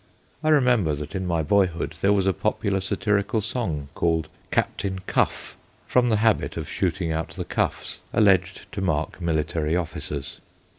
I remember PECCADILLO 7 that in my boyhood there was a popular satirical song called ' Captain Cuff/ from the habit of shooting out the cuffs alleged to mark military officers.